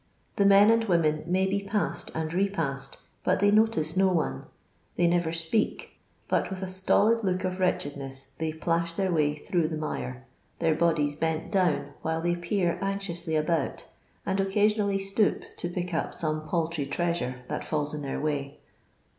The men and women may be passed and repassed, but they notice no one ; they never speak, but with a stolid look of wretchedness they plash their way through the mire, their bodies bent down while they peer anxiously about, and occasinnally stoop to pick up some paltry treasure that falls in their way.